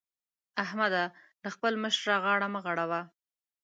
احمده! له خپل مشره غاړه مه غړوه.